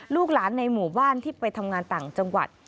ลูกหลานในหมู่บ้านที่ไปทำงานต่างจังหวัด